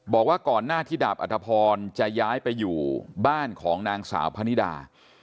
บอกว่าก่อนหน้าที่ดาบอัธพรจะย้ายไปอยู่บ้านของนางสาวพนิดา